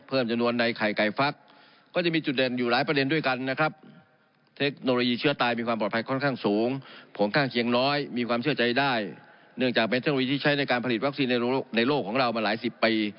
โรคของเรามาหลายสิบปี